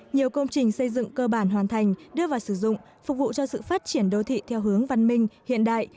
nhiều công trình xây dựng cơ bản hoàn thành đưa vào sử dụng phục vụ cho sự phát triển đô thị theo hướng văn minh hiện đại